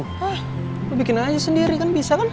hah lu bikin aja sendiri kan bisa kan